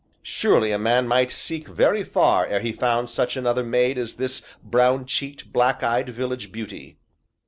Surely a man might seek very far ere he found such another maid as this brown cheeked, black eyed village beauty.